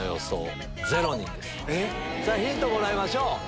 さぁヒントもらいましょう。